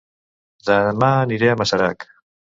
Dema aniré a Masarac